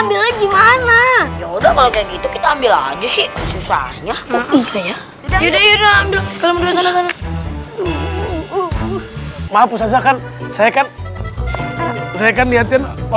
bolanya udah gak ada ya